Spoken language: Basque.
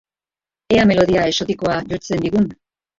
Ea melodia exotikoa jotzen digun!